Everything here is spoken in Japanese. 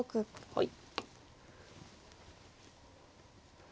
はい。